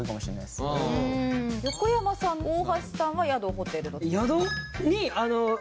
横山さん大橋さんは宿・ホテル。